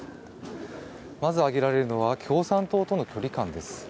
まず挙げられるのは共産党との距離感です。